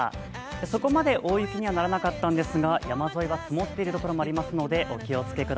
そこまで大雪にはならなかったんですが山沿いは積もっている所もありますのでお気をつけくだ